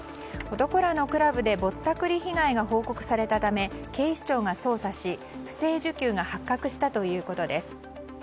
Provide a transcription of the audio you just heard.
男らのクラブでぼったくり被害が報告されたため警視庁が捜査し不正受給が発覚したということです。